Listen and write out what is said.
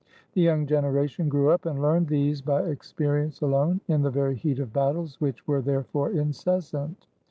The young generation grew up, and learned these by experience alone, in the very heat of battles, which were therefore incessant.